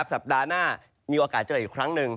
สัปดาห์หน้ามีโอกาสเจออีกครั้งหนึ่ง